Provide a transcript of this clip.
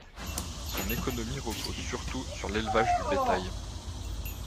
Son économie repose surtout sur l'élevage du bétail.